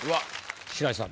白石さん